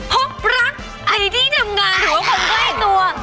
พบรักไอ้ที่ทำงานถือว่าคนก็ให้ตัว